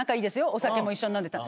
お酒も一緒に飲んでた。